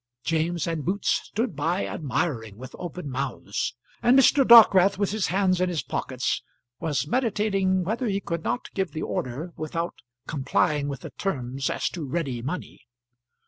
James and Boots stood by admiring, with open mouths, and Mr. Dockwrath, with his hands in his pockets, was meditating whether he could not give the order without complying with the terms as to ready money.